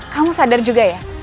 kamu sadar juga ya